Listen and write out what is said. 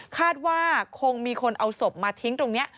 คาดว่าคงมีคนเอาศพมาทิ้งตรงนี้